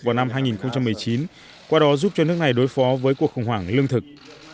vào năm hai nghìn một mươi chín qua đó giúp cho nước này đối phó với cuộc khủng hoảng lương thực